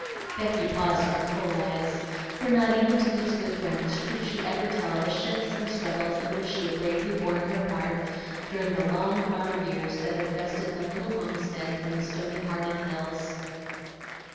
Becky paused with full eyes, for not even to these good friends could she ever tell the shifts and struggles in which she had bravely borne her part during the long hard years that had wrested the little homestead from the stony hearted hills.